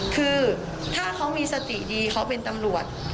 คือถ้าเขามีสติดีเขาเป็นตำรวจ